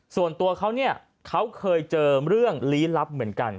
ส่วนตัวเขาเนี่ยเขาเคยเจอเรื่องลี้ลับเหมือนกัน